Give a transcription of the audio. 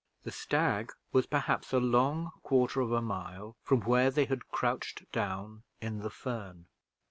The stag was perhaps a long quarter of a mile from where they had crouched down in the fern.